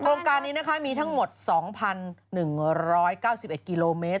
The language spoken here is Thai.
โครงการนี้นะคะมีทั้งหมด๒๑๙๑กิโลเมตร